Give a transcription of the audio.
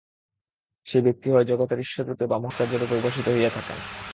সেই ব্যক্তি হয় জগতের ঈশ্বররূপে বা মহান আচার্যরূপে উপাসিত হইয়া থাকেন।